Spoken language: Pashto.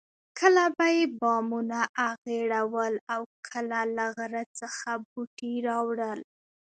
کله به یې بامونه اخیړول او کله له غره څخه بوټي راوړل.